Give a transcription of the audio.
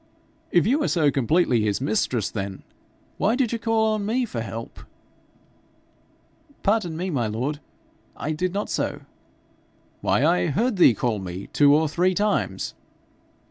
'If you are so completely his mistress then, why did you call on me for help?' 'Pardon me, my lord; I did not so.' 'Why, I heard thee call me two or three times!'